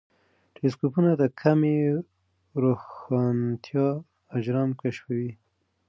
ټیلېسکوپونه د کمې روښانتیا اجرام کشفوي.